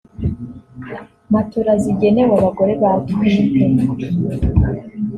matola zigenewe abagore batwite